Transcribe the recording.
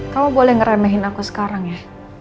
kamu boleh ngeremehin aku sekarang ya